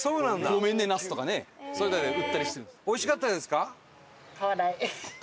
ごめんねナスとかね売ったりしてるんです。